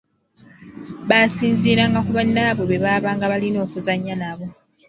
Baasinziiranga ku bannaabwe be baabanga balina okuzannya nabo.